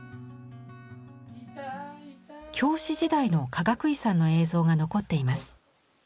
教師時代のかがくいさんの映像が残っています。